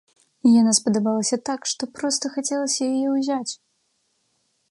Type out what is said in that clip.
І яна спадабалася так, што проста хацелася яе ўзяць!